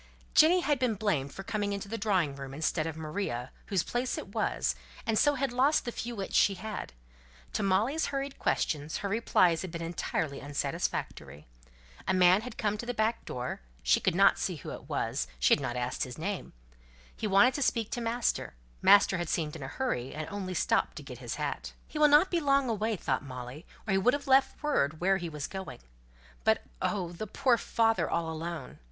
Jenny had been blamed for coming into the drawing room instead of Maria, whose place it was, and so had lost the few wits she had. To Molly's hurried questions her replies had been entirely unsatisfactory. A man had come to the back door she could not see who it was she had not asked his name: he wanted to speak to master, master had seemed in a hurry, and only stopped to get his hat. "He will not be long away," thought Molly, "or he would have left word where he was going. But oh! the poor father all alone!"